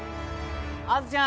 あずちゃん